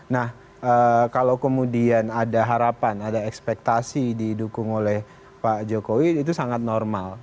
nah kalau kemudian ada harapan ada ekspektasi didukung oleh pak jokowi itu sangat normal